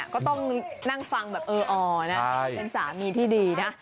ก็ต้องนั่งฟังแบบเอออนะเป็นสามีที่ดีนะ